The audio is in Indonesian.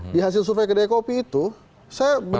di hasil survei kedai kopi itu saya benar benar